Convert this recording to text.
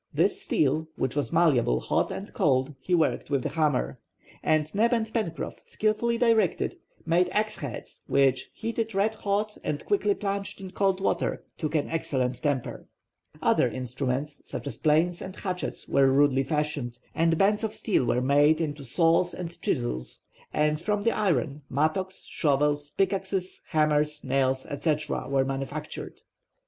This steel, which was malleable hot and cold, he worked with the hammer. And Neb and Pencroff, skillfully directed, made axe heads, which, heated red hot and quickly plunged in cold water, took an excellent temper. Other instruments, such as planes and hatchets, were rudely fashioned, and bands of steel were made into saws and chisels; and from the iron, mattocks, shovels, pickaxes, hammers, nails, etc., were manufactured.